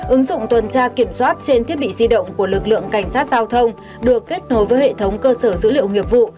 ứng dụng tuần tra kiểm soát trên thiết bị di động của lực lượng cảnh sát giao thông được kết nối với hệ thống cơ sở dữ liệu nghiệp vụ